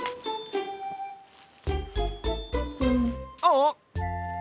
あっ！